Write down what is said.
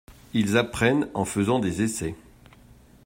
Ils apprennent en faisant des essais.